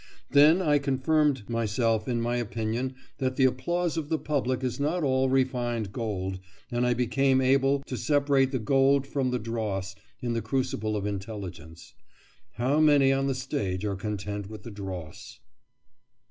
Then I confirmed myself in my opinion that the applause of the public is not all refined gold, and I became able to separate the gold from the dross in the crucible of intelligence. How many on the stage are content with the dross!